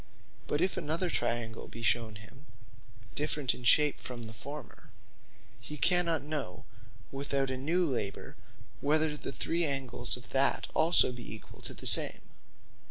But if another triangle be shewn him different in shape from the former, he cannot know without a new labour, whether the three angles of that also be equall to the same.